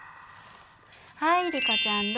はいリコちゃんどうぞ。